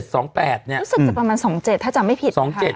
รู้สึกจะประมาณ๒๗ถ้าจำไม่ผิด